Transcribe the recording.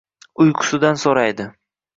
Uyqusidan so’raydi.